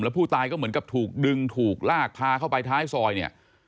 ผู้ตายก็เหมือนกับถูกดึงถูกลากพาเข้าไปท้ายซอยเนี่ย